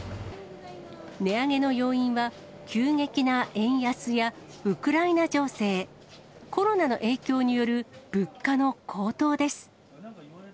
値上げの要因は、急激な円安やウクライナ情勢、コロナの影響による物価の高騰です。